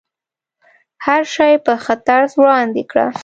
هر شی په ښه طرز وړاندې کړه.